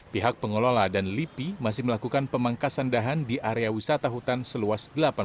pihak pengelola dan lipi masih melakukan pemangkasan dahan di area wisata hutan seluas delapan puluh